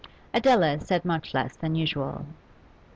Adela said much less than usual.